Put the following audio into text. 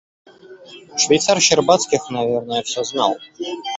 Швейцар Щербацких, наверное, всё знал.